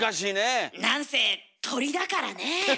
なんせ鳥だからねえ。